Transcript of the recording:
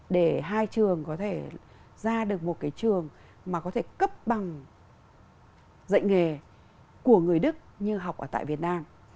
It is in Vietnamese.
để hai trường có thể ra được một cái trường mà có thể cấp bằng dạy nghề của người đức như học ở tại việt nam